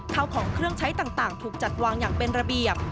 ข้าวของเครื่องใช้ต่างถูกจัดวางอย่างเป็นระเบียบ